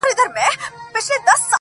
خو ټول حقيقت نه مومي هېڅکله,